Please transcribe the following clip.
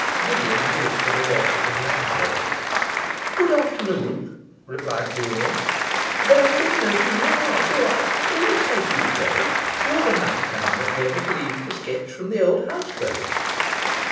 Gideon knew it for the voice of his landlord. 'Good afternoon,' replied Julia, 'but I don't know who you are; do I? O yes, I do though. You are the nice man that gave us leave to sketch from the old houseboat.